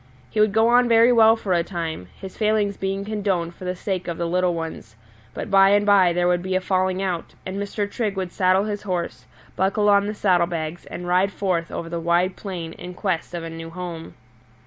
He would go on very well for a time, his failings being condoned for the sake of the little ones; but by and by there would be a falling out, and Mr. Trigg would saddle his horse, buckle on the saddle bags, and ride forth over the wide plain in quest of a new home.